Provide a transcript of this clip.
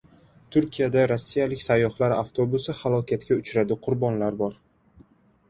Turkiyada rossiyalik sayyohlar avtobusi halokatga uchradi, qurbonlar bor